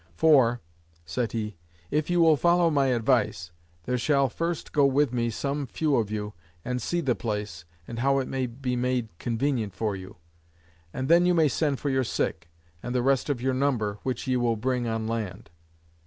"For," said he, "if you will follow my advice, there shall first go with me some few of you, and see the place, and how it may be made convenient for you; and then you may send for your sick, and the rest of your number, which ye will bring on land."